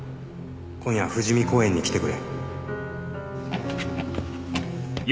「今夜富士美公園に来てくれ」